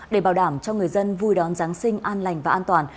để bảo đảm cho người dân vui đón giáng sinh an lành và an toàn